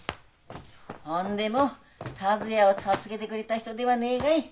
ほんでも達也を助けてくれた人ではねえがい。